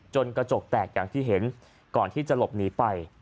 กระจกแตกอย่างที่เห็นก่อนที่จะหลบหนีไป